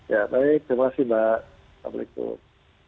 ya baik terima kasih mbak assalamualaikum